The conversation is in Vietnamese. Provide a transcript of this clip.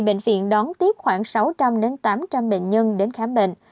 bệnh viện đón tiếp khoảng sáu trăm linh tám trăm linh bệnh nhân đến khám bệnh